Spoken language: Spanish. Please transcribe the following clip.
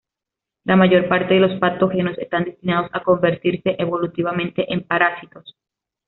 La mayor parte de los patógenos están destinados a convertirse evolutivamente en parásitos.